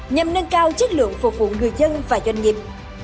nhằm nâng cao chất lượng phục vụ người dân và doanh nghiệp